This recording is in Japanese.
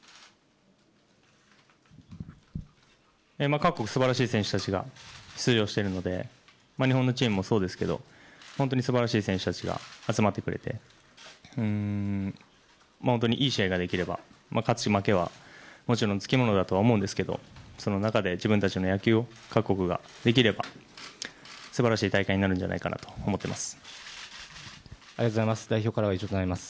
各国素晴らしい選手たちが出場しているので日本のチームもそうですけど本当に素晴らしい選手たちが集まってくれて本当にいい試合ができれば勝ち負けはつきものだとは思うんですがその中で自分の野球を各国ができれば素晴らしい大会になると思っています。